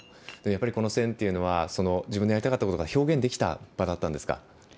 やっぱりこの１０００ｍというのは自分のやりたかったことが表現できた場だったんですか？